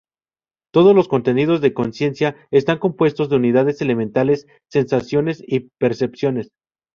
Todos los contenidos de conciencia están compuestos de unidades elementales: sensaciones y percepciones.